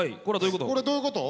これどういうこと？